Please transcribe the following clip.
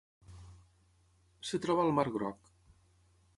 Es troba al mar Groc: